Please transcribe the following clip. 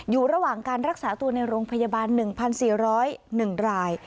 อยู่ระหว่างการรักษาตัวในโรงพยาบาล๑๔๐๑ราย